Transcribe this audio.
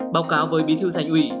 báo cáo với bí thư thành ủy